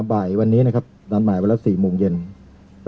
บ่ายวันนี้นะครับดานหมายวันรับสี่มือเย็นก็เราจะ